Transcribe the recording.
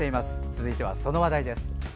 続いては、その話題です。